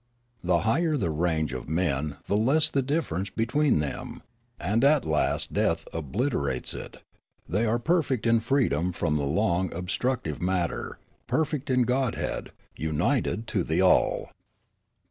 The higher the range of the men the less the differ ence between them ; and at last death obliterates it ; they are perfect in freedom from the long obstructive matter, perfect in godhead, united to the all.